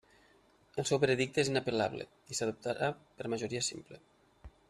El seu veredicte és inapel·lable, i s'adoptarà per majoria simple.